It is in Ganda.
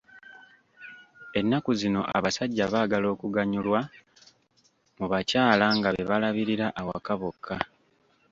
Ennaku zino abasajja baagala okuganyulwa mu bakyala nga be balabirira awaka bokka .